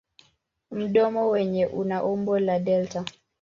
Mdomo wenyewe una umbo la delta.